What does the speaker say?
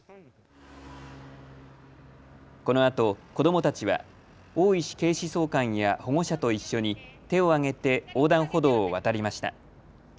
このあと、子どもたちは大石警視総監や保護者と一緒に手を上げて横断歩道を渡りました。